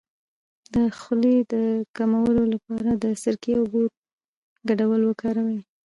د خولې د کمولو لپاره د سرکې او اوبو ګډول وکاروئ